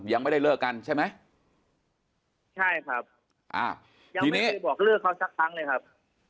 ยังไม่ได้เลิกกันใช่ไหมใช่ครับอ่ายังไม่เคยบอกเลิกเขาสักครั้งเลยครับ